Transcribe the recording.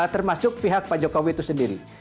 termasuk pihak pak jokowi itu sendiri